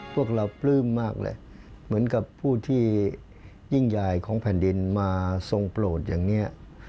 พวกเราปลื้มมากเลยเหมือนกับผู้ที่ยิ่งใหญ่ของแผ่นดินมาทรงโปรดอย่างนี้